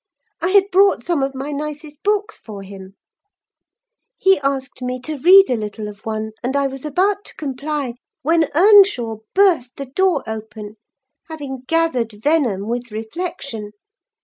I had brought some of my nicest books for him: he asked me to read a little of one, and I was about to comply, when Earnshaw burst the door open: having gathered venom with reflection.